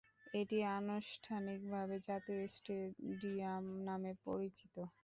এটি আনুষ্ঠানিকভাবে জাতীয় স্টেডিয়াম নামে পরিচিত।